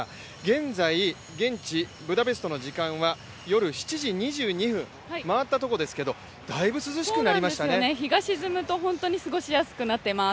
現在、現地ブダペストの時間は夜７時２２分を回ったところですけど日が沈むと本当に過ごしやすくなっています。